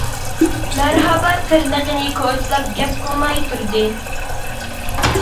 مەرھابا تىرنىقىنى كوچىلاپ گەپ قىلماي تۇردى.